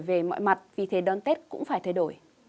về mọi mặt vì thế đón tết cũng phải thay đổi